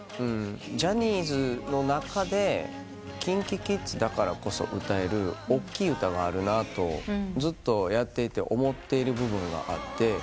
ジャニーズの中でＫｉｎＫｉＫｉｄｓだからこそ歌えるおっきい歌があるなとずっとやっていて思っている部分があって。